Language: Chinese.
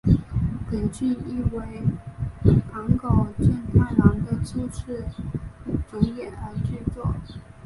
本剧亦为坂口健太郎的初次主演剧作。